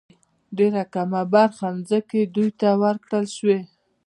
ډېره کمه برخه ځمکې دوی ته ورکړل شوې.